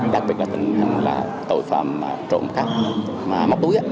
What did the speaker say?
đặc biệt là tình hình tội phạm trộm khác mà mắc túi